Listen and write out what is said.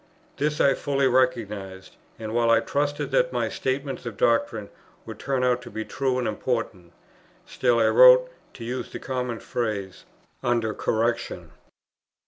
This I fully recognized; and, while I trusted that my statements of doctrine would turn out to be true and important, still I wrote, to use the common phrase, "under correction."